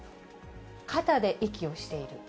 肩で息をしている。